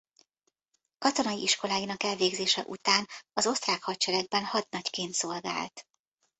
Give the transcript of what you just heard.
Katonai iskoláinak elvégzése után az Osztrák hadseregben hadnagyként szolgált.